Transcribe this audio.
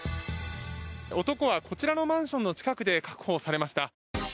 男はこちらのマンションの近くで確保されました。